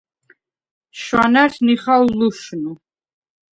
შვანა̈რს ნიხალ ლუშნუ.